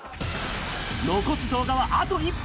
残す動画はあと１本。